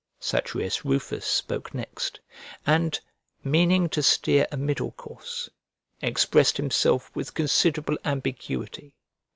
Satrius Rufus spoke next, and, meaning to steer a middle course, expressed himself with considerable ambiguity.